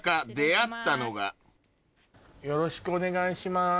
よろしくお願いします。